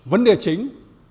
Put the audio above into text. vấn đề chính